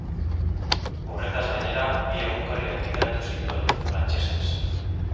Horretaz gainera, bi egunkari argitaratu zituen, frantsesez.